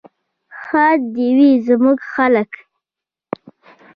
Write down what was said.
ښاد دې وي زموږ خلک.